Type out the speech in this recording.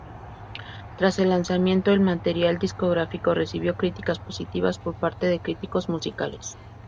Tras el lanzamiento, el material discográfico recibió críticas positivas por parte de críticos musicales.